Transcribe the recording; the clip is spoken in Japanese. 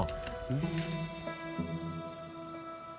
うん？